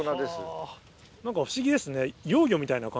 何か不思議ですね。